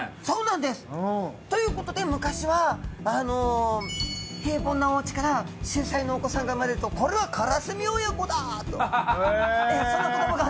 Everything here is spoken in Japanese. そうなんです！ということで昔は平凡なおうちから秀才なお子さんが生まれるとこれはカラスミ親子だ！と。